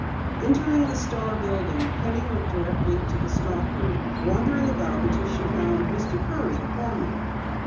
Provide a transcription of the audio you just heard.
Entering the Star building, Penny went directly to the stockroom, wandering about until she found Mr. Curry, the foreman.